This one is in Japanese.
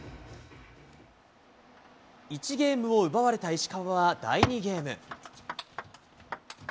１ゲームを奪われた石川は第２ゲーム。